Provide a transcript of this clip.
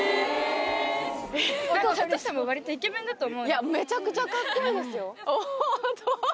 いやめちゃくちゃカッコいいですよ。